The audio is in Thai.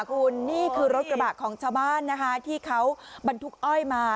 คุณนี่คือรถกระบะของชาวบ้านนะคะที่เขาบรรทุกอ้อยมา